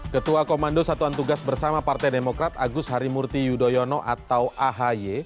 ketua komando satuan tugas bersama partai demokrat agus harimurti yudhoyono atau ahy